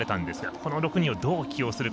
この６人をどう起用するか。